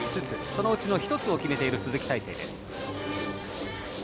そのうちの１つを決めている鈴木泰成。